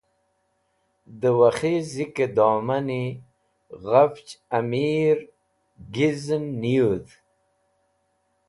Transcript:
Dẽ Wakhi zikẽ domani ghafch amir gizẽn neyũdh (culture).